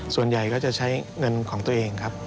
ส่วนใหญ่ก็จะใช้เงินของตัวเองครับ